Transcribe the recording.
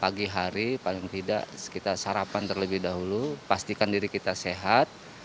pagi hari paling tidak kita sarapan terlebih dahulu pastikan diri kita sehat